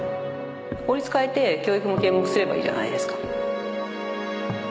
法律変えて教育も啓蒙すればいいじゃないですか。